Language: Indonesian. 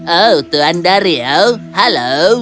oh tuan dario halo